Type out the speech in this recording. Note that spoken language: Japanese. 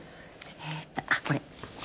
えっとあっこれ。